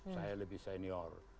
saya lebih senior